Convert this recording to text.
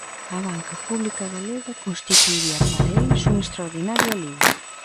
A Banca Pública Galega constituiría para eles un extraordinario alivio.